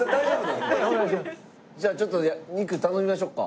じゃあちょっと肉頼みましょうか。